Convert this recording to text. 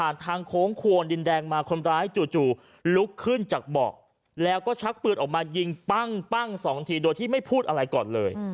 แล้วก็ชักปืนออกมายิงปั้งปั้ง๒ทีโดยที่ไม่พูดอะไรก่อนเลย